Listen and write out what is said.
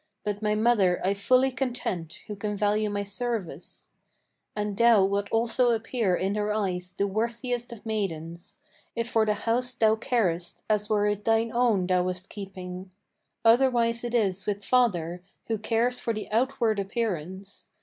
But my mother I fully content, who can value my service; And thou wilt also appear in her eyes the worthiest of maidens, If for the house thou carest, as were it thine own thou wast keeping. Otherwise is it with father, who cares for the outward appearance.